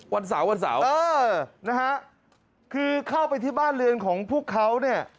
วันเสาร์นะครับคือเข้าไปที่บ้านเรือนของพวกเขา